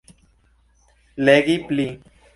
Legi pli.